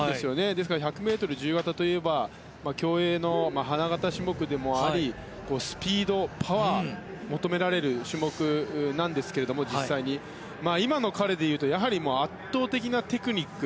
ですから１００ｍ自由形といえば競泳の花形種目でもありスピード、パワーが求められる種目ですが今の彼でいうと圧倒的なテクニック。